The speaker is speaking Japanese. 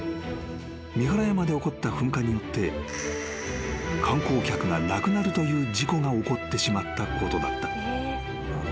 ［三原山で起こった噴火によって観光客が亡くなるという事故が起こってしまったことだった］